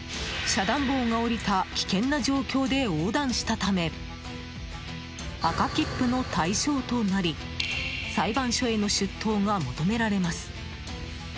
遮断棒が下りた危険な状況で横断したため赤切符の対象となり裁判所への出頭が求められます。